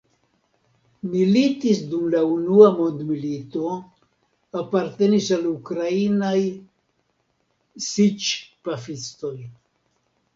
Militis dum la Unua mondmilito, apartenis al Ukrainaj siĉ-pafistoj.